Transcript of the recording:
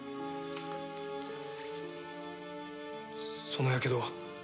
そのやけどは。